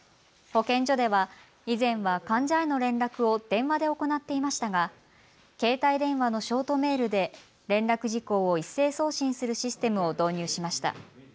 保健所では以前は患者への連絡を電話で行っていましたが携帯電話のショートメールで連絡事項を一斉送信するシステムを導入しました。